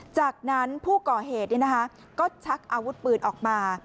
จากนั้นผู้ก่อเหตุก็ชักอาวุธปืนออกมา